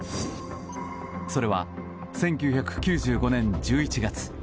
それは１９９５年１１月。